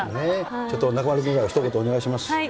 ちょっと中丸君からひと言お願いします。